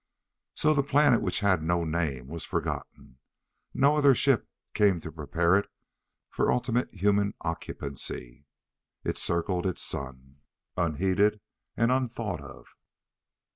So the planet which had no name was forgotten. No other ship came to prepare it for ultimate human occupancy. It circled its sun, unheeded and unthought of.